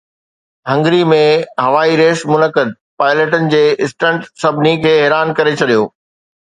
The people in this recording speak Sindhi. هنگري ۾ هوائي ريس منعقد، پائليٽن جي اسٽنٽ سڀني کي حيران ڪري ڇڏيو